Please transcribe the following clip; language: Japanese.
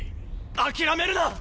諦めるな！